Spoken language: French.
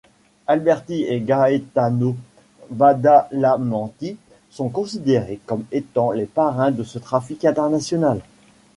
Alberti et Gaetano Badalamenti sont considérés comme étant les parrains de ce trafic international.